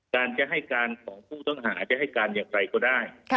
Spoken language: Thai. การจะให้การของผู้ต้องหาจะให้การอย่างไรก็ได้